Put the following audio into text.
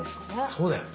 そうだよね。